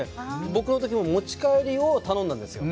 僕の時も持ち帰りを頼んだんですよ。